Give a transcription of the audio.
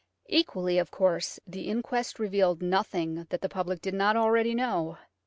Equally, of course, the inquest revealed nothing that the public did not already know.